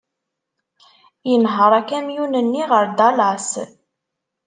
Yenheṛ akamyun-nni ɣer Dallas.